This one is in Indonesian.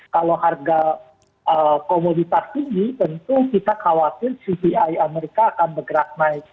kalau harga komoditas tinggi tentu kita khawatir cpi amerika akan bergerak naik